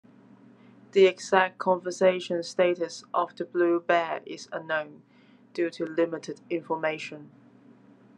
The exact conservation status of the blue bear is unknown, due to limited information.